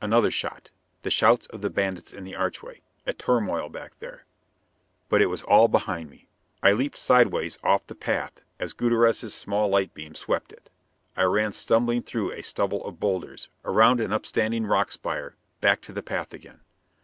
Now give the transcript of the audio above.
Another shot. The shouts of the bandits in the archway. A turmoil back there. But it was all behind me. I leaped sidewise off the path as Gutierrez small light beam swept it. I ran stumbling through a stubble of boulders, around an upstanding rock spire, back to the path again.